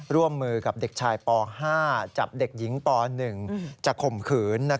ร่วมมือกับเด็กชายป๕จับเด็กหญิงป๑จะข่มขืน